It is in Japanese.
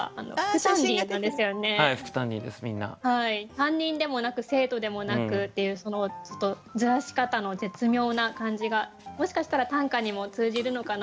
担任でもなく生徒でもなくっていうそのずらし方の絶妙な感じがもしかしたら短歌にも通じるのかなと思いました。